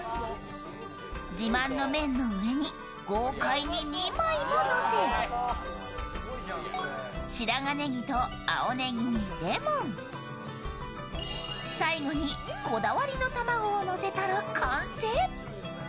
自慢の麺の上に豪快に２枚ものせ白髪ねぎと青ねぎにレモン、最後にこだわりの卵をのせたら完成。